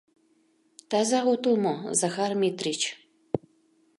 — Таза отыл мо, Захар Митрич?